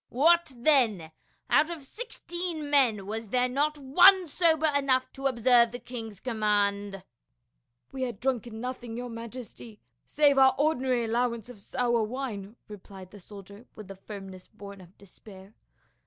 "What then, out of sixteen men was there not one sober enough to observe the king's command?" "We had drunken nothing, your majesty, save our ordinary allowance of sour wine," replied the soldier 264 P.l UL. with the firmness born of despair.